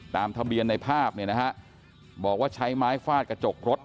ตามทะเบียนในภาพเนี่ยนะฮะบอกว่าใช้ไม้ฟาดกระจกรถ